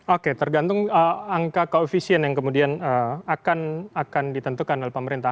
oke tergantung angka koefisien yang kemudian akan ditentukan oleh pemerintah